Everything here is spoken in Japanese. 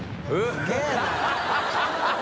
すげぇな。